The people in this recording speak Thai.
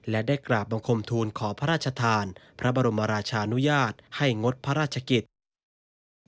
และได้กราบบังคมทูลขอพระราชทานพระบรมราชานุญาตให้งดพระราชกิจ